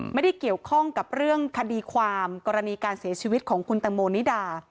ไม่ได้เกี่ยวข้องกับเรื่องคดีความกรณีการเสียชีวิตของคุณตังโมนิดา